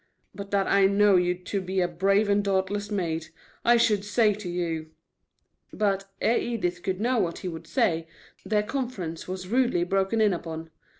But that I know you to be a brave and dauntless maid, I should say to you " But, ere Edith could know what he would say, their conference was rudely broken in upon.